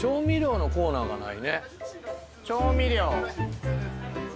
調味料。